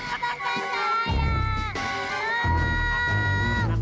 tidak langsung dalam